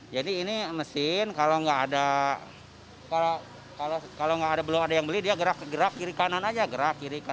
jadi ini mesin kalau belum ada yang beli dia gerak kiri kanan aja